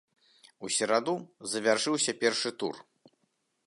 У сераду завяршыўся першы тур.